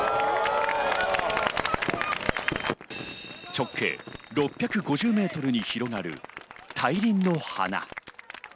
直径６５０メートルに広がる大輪の花。